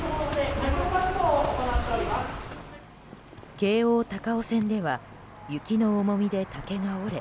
京王高尾線では雪の重みで竹が折れ